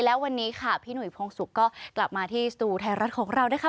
แล้ววันนี้ค่ะพี่หนุ่ยพงศุกร์ก็กลับมาที่สตูไทยรัฐของเรานะคะ